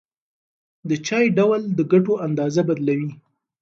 د چای ډول د ګټو اندازه بدلوي.